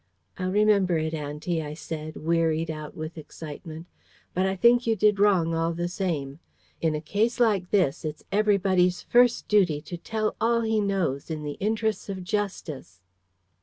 "I'll remember it, auntie," I said, wearied out with excitement. "But I think you did wrong, all the same. In a case like this, it's everybody's first duty to tell all he knows, in the interests of justice."